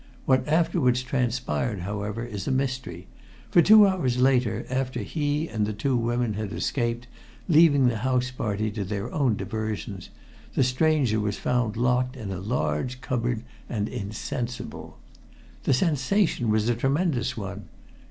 What afterwards transpired, however, is a mystery, for two hours later, after he and the two women had escaped, leaving the house party to their own diversions, the stranger was found locked in a large cupboard and insensible. The sensation was a tremendous one.